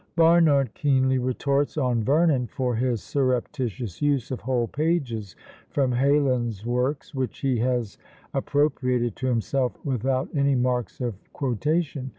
Barnard keenly retorts on Vernon for his surreptitious use of whole pages from Heylin's works, which he has appropriated to himself without any marks of quotation.